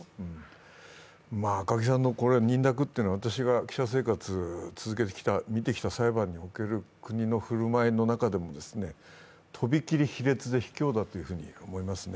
赤木さんの認諾というのは、私が記者生活を続けてきた、見てきた裁判の国の振る舞いの中でも、とびきり卑劣で卑怯だと思いますね。